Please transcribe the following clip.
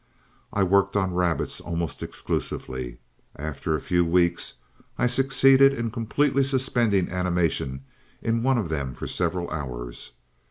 "I worked on rabbits almost exclusively. After a few weeks I succeeded in completely suspending animation in one of them for several hours.